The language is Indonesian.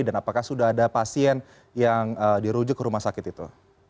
dan apakah sudah ada pasien yang dirujuk ke rumah sakit itu